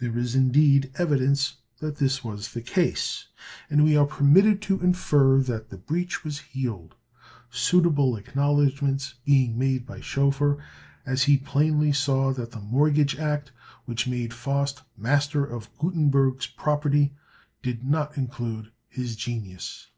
There is, indeed, evidence that this was the case; and we are permitted to infer that the breach was healed, suitable acknowledgments being made by Schoeffer, as he plainly saw that the mortgage act which made Faust master of Gutenberg's property, did not include his genius.